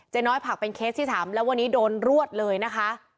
น้อยผักเป็นเคสที่๓แล้ววันนี้โดนรวดเลยนะคะ